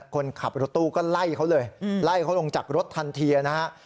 คนขับรถตู้ก็ไล่เขาเลยไล่เขาลงจากรถทันทีนะฮะ